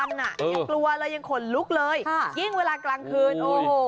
ยังกลัวเลยยังขนลุกเลยยิ่งเวลากลางคืนโอ้โห